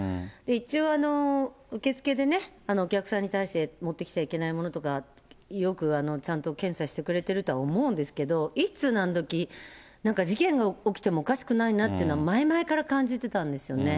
一応、受け付けでお客さんに対して、持ってきちゃいけないものとかよく、ちゃんと検査してくれてると思うんですけど、いつ何時、なんか事件が起きてもおかしくないなっていうのは前々から感じてたんですよね。